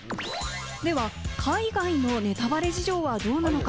では海外のネタバレ事情はどうなのか？